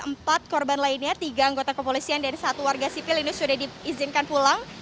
empat korban lainnya tiga anggota kepolisian dan satu warga sipil ini sudah diizinkan pulang